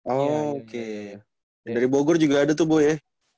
oke dari bogor juga ada tuh bu ya